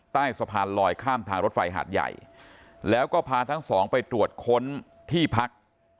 ใต้สะพานลอยข้ามทางรถไฟหาดใหญ่แล้วก็พาทั้งสองไปตรวจค้นที่พัก